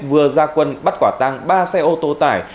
vừa ra quân bắt quả tăng ba xe ô tô tải